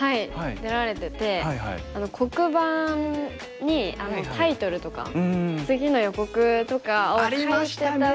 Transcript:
出られてて黒板にタイトルとか次の予告とかを書いてたのが。